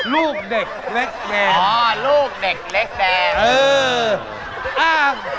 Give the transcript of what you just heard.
อ๋อลูกเด็กเล็กแรง